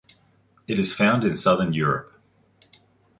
It is found in southern Europe.